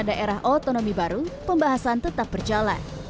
di daerah otonomi baru pembahasan tetap berjalan